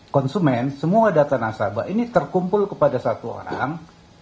konsumen semua data nasabah ini terkumpul kepada satu orang